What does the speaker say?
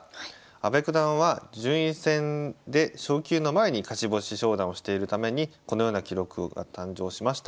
阿部九段は順位戦で昇級の前に勝ち星昇段をしているためにこのような記録が誕生しました。